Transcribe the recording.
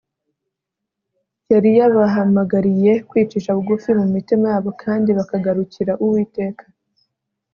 yari yabahamagariye kwicisha bugufi mu mitima yabo kandi bakagarukira Uwiteka